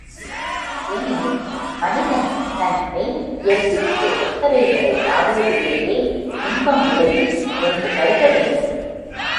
ஏனெனில், மனிதன் தன் மெய் இயல்பிற்கு ஒத்தவைகளை நாடுவதிலேயே இன்பம் விளையும் என்று கருதவேண்டும்.